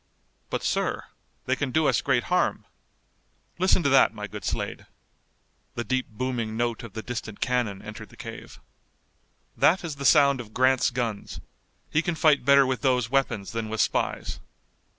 "But, sir, they can do us great harm." "Listen to that, my good Slade." The deep booming note of the distant cannon entered the cave. "That is the sound of Grant's guns. He can fight better with those weapons than with spies."